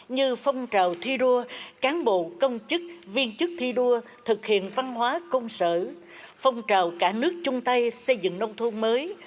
như phong trào thi đua cán bộ công chức viên chức thi đua thực hiện văn hóa công sở phong trào cả nước chung tay xây dựng nông thôn mới